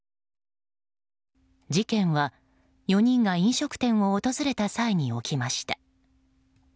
事件は４人が飲食店を訪れた際に起きました。